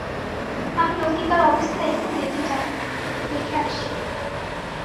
আমি লতিকার অবস্থা একটু দেখে যান, দেখে আসি।